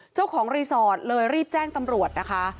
เจ้าของรีสอร์ทเลยรีบแจ้งตำรวจนะคะ